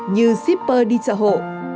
như zipper đi chợ hộ